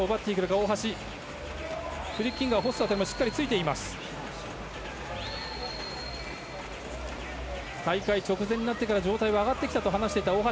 大会直前になってから状態は上がってきたと話していた大橋。